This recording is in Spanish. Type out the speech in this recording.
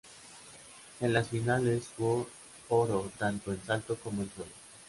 En las finales fue oro tanto en salto como en suelo.